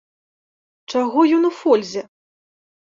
Чаго ён у фользе?